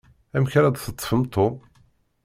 Amek ara d-teṭṭfem Tom?